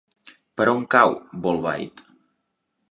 Per on cau Bolbait?